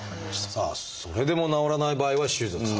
さあそれでも治らない場合は「手術」と。